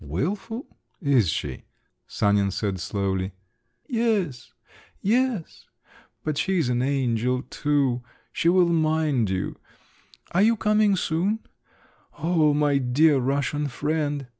"Wilful? Is she!" … Sanin said slowly. "Yes … yes … but she's an angel too. She will mind you. Are you coming soon? Oh, my dear Russian friend!"